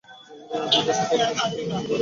জিজ্ঞাস করো না, সে প্লেনে কী করে।